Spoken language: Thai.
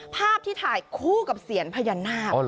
ภาพที่ถ่ายคู่กับเสียญพญานาค